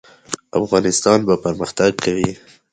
افغانستان به پرمختګ کوي